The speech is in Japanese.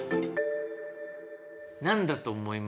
何だと思います？